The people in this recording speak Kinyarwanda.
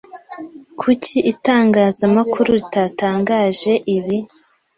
Kuki itangazamakuru ritatangaje ibi?